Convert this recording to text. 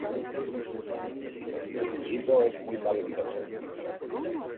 El chico es muy talentoso.